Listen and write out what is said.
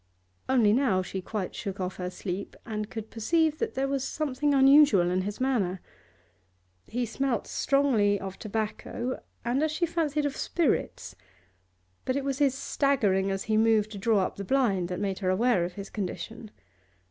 Only now she quite shook off her sleep, and could perceive that there was something unusual in his manner. He smelt strongly of tobacco, and, as she fancied, of spirits; but it was his staggering as he moved to draw up the blind that made her aware of his condition.